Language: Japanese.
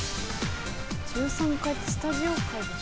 １３階ってスタジオ階？